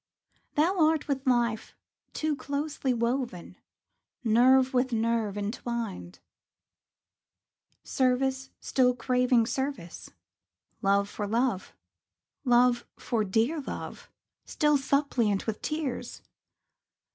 Thou art with life Too closely woven, nerve with nerve intwined; Service still craving service, love for love, Love for dear love, still suppliant with tears.